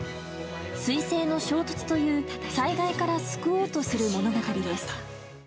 彗星の衝突という災害から救おうとする物語です。